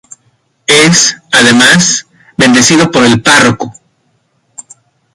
Es, además, bendecido por el párroco.